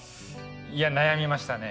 いや悩みましたね。